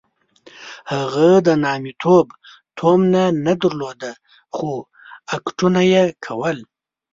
هغه د نامیتوب تومنه نه درلوده خو اکټونه یې کول.